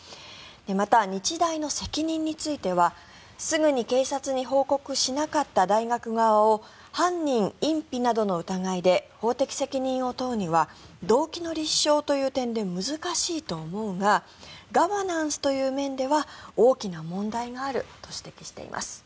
また、日大の責任についてはすぐに警察に報告しなかった大学側を犯人隠避などの疑いで法的責任を問うには動機の立証という点で難しいと思うがガバナンスという面では大きな問題があると指摘しています。